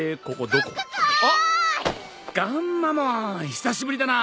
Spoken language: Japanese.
久しぶりだな。